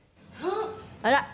あら。